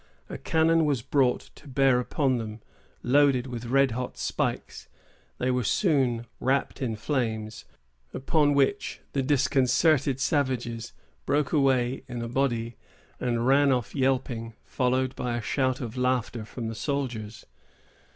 A cannon was brought to bear upon them, loaded with red hot spikes. They were soon wrapped in flames, upon which the disconcerted savages broke away in a body, and ran off yelping, followed by a shout of laughter from the soldiers.